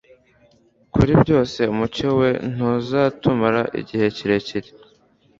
Kuri byose Umucyo we ntuzatumara igihe kirekire